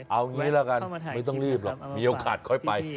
เอางี้ละกันไม่ต้องรีบหรอกมีโอกาสค่อยไป